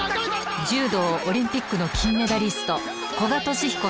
柔道オリンピックの金メダリスト古賀稔彦さん。